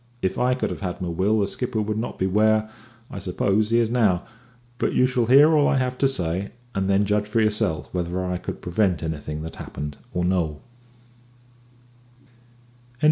If I could have had my will the skipper would not be where, I suppose, he is now; but you shall hear all I have to say, and then judge for yourself whether I could prevent anything that happened or no."